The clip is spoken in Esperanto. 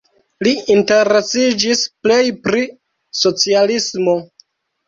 Li interesiĝis plej pri socialismo.